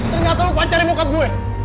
ternyata lu pacarin bokat gue